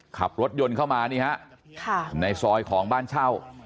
ขับรถยนต์เข้ามานี่ฮะในซอยของบ้านเช่า